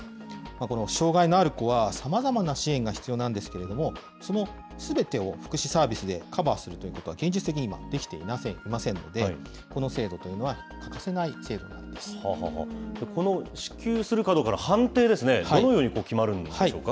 この障害のある子は、さまざまな支援が必要なんですけれども、そのすべてを福祉サービスでカバーするということは、現実的に今、できていませんので、この制度というのは、欠かせない制度なんでこの支給するかどうかの判定ですね、どのように決まるんでしょうか。